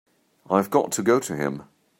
I've got to go to him.